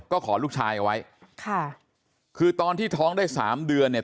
ก็ขอลูกชายเอาไว้ค่ะคือตอนที่ท้องได้สามเดือนเนี่ย